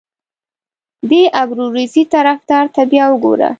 دې د ابروزي طرفدار ته بیا وګوره.